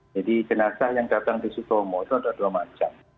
jadi jenazah yang datang di sutomo itu ada dua macam